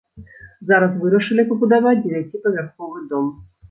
Зараз вырашылі пабудаваць дзевяціпавярховы дом.